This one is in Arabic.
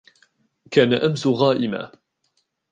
كان أمس غائما.